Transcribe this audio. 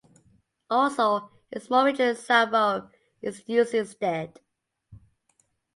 Also, in a small region in Savo, is used instead.